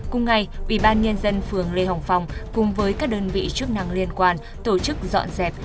cùng ngày ủy ban nhân dân phường lê hồng phong cùng với các đơn vị chức năng liên quan tổ chức dọn dẹp